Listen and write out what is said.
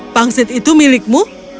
pangsit itu milikmu